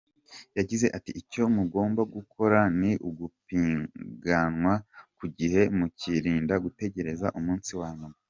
Yagize ati “Icyo mugomba gukora ni ugupiganwa ku gihe mukirinda gutegereza umunsi wa nyuma.